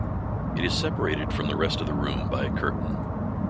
It is separated from the rest of the room by a curtain.